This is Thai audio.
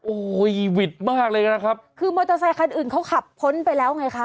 โอ้โหวิดมากเลยนะครับคือมอเตอร์ไซคันอื่นเขาขับพ้นไปแล้วไงคะ